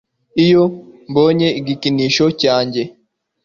iyo mbonye igikinisho cyanjye